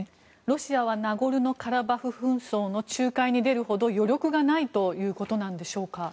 ロシアはナゴルノカラバフ紛争の仲介に出るほど、余力がないということなんでしょうか。